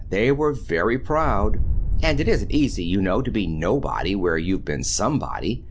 They were very proud; and it isn't easy, you know, to be nobody where you've been somebody.